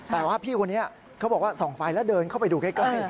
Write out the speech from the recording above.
แต่ว่าพี่คนนี้เขาบอกว่าส่องไฟแล้วเดินเข้าไปดูใกล้